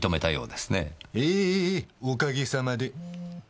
ええええおかげさまで。